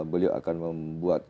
beliau akan membuat